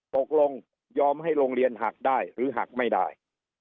ตกลงยอมให้โรงเรียนหักได้หรือหักไม่ได้